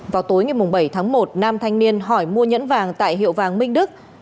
vào tối ngày bảy tháng một nam thanh niên hỏi mua nhẫn vàng tại hiệu vàng minh đức